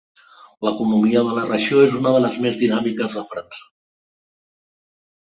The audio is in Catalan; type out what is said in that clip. L'economia de la regió és una de les més dinàmiques de França.